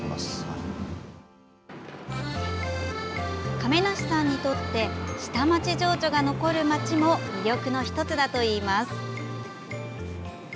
亀梨さんにとって下町情緒が残る町も魅力の１つだといいます。